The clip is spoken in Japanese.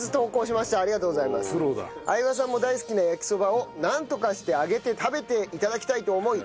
相葉さんも大好きな焼きそばをなんとかして揚げて食べて頂きたいと思い